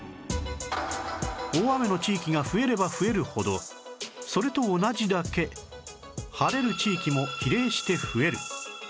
大雨の地域が増えれば増えるほどそれと同じだけ晴れる地域も比例して増えるというのです